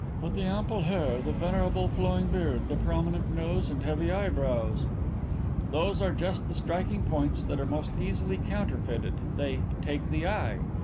"But the ample hair, the venerable flowing beard, the prominent nose and heavy eyebrows " "These are just the striking points that are most easily counterfeited. They 'take the eye.'